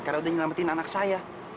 karena sudah menyelamatkan anak saya